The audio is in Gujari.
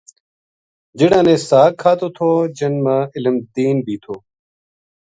جہڑاں نے ساگ کھادو تھو جن ما علم دین بھی تھو